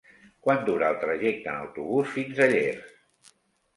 Quant dura el trajecte en autobús fins a Llers?